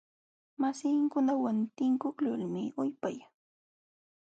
Masinkunawan tinkuqlulmi upyayan.